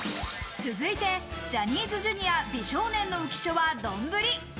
続いて、ジャニーズＪｒ．美少年の浮所は丼ぶり。